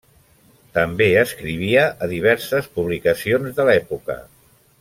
També escrivia a diverses publicacions de l'època.